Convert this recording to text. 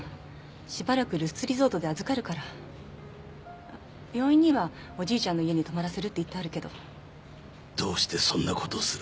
しばらくルスツリゾートで預かるから病院にはおじいちゃんの家に泊まらせるって言ってあるけどどうしてそんなことをする？